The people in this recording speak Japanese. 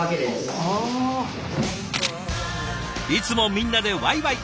いつもみんなでワイワイ！